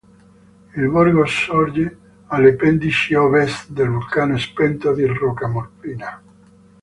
Il borgo sorge alle pendici ovest del vulcano spento di Roccamonfina.